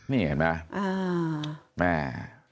นี่เห็นมั้ย